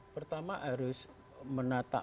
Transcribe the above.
pertama harus menata